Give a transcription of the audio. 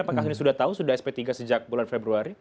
apakah ini sudah tahu sudah sp tiga sejak bulan februari